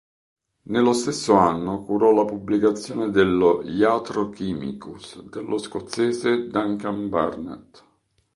Nello stesso anno curò la pubblicazione dello "Iatrochymicus" dello scozzese Duncan Burnet.